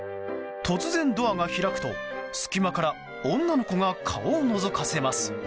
突然ドアが開くと、隙間から女の子が顔をのぞかせます。